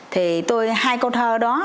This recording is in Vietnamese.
thì tôi hai câu thơ đó